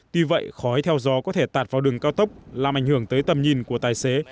tuy vậy khói theo gió có thể tạt vào đường cao tốc làm ảnh hưởng tới tầm nhìn của tài xế